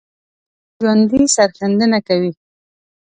ژوندي سرښندنه کوي